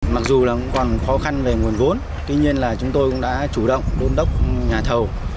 mặc dù là cũng còn khó khăn về nguồn vốn tuy nhiên là chúng tôi cũng đã chủ động đôn đốc nhà thầu